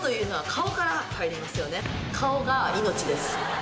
顔が命です。